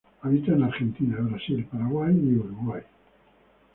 Habita en Argentina, Brasil, Paraguay y Uruguay.